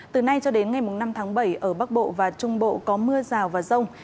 từ nay cho đến ngày năm tháng bảy ở bắc bộ và trung bộ có mưa rào và rông